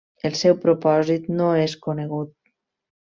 El seu propòsit no és conegut.